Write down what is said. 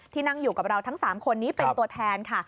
นั่งอยู่กับเราทั้ง๓คนนี้เป็นตัวแทนค่ะ